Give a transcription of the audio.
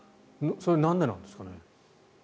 それはなんでなんですかね。